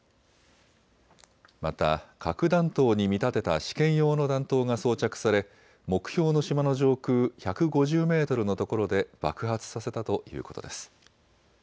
また核弾頭に見立てた試験用の弾頭が装着され目標の島の上空１５０メートルの所で爆発させたということです。